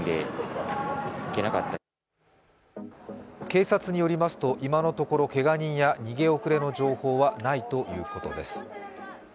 警察によりますと、今のところけが人や逃げ遅れの情報はないということです。